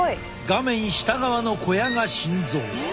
画面下側の小屋が心臓。